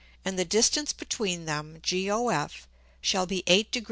and the distance between them GOF shall be 8 Gr.